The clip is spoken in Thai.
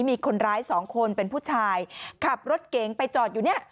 มีคนร้ายสองคนเป็นผู้ชายขับรถเก๋งไปจอดอยู่เนี่ย